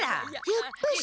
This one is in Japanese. やっぱし。